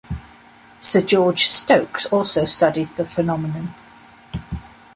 Sir George Stokes also studied the phenomenon.